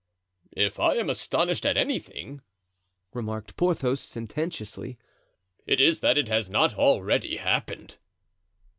"If I am astonished at anything," remarked Porthos, sententiously, "it is that it has not already happened."